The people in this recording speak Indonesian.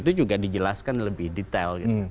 itu juga dijelaskan lebih detail